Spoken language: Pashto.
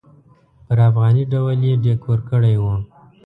پر افغاني ډول یې ډیکور کړی و.